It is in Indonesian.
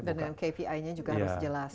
dan dengan kpi nya juga harus jelas